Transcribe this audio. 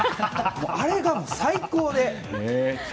あれが最高で。